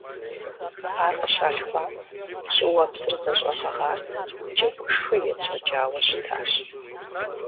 Ар къыщалъхуам, щӀыуэпсыр зэщӀэгъэгъат, джэгушхуи етщӀэкӀауэ щытащ.